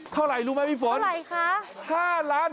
เท่าไหร่รู้ไหมพี่ฝนเท่าไหร่คะ